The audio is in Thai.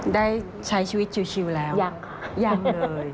ได้ใช้ชีวิตชิวแล้วยังเลยอย่างค่ะ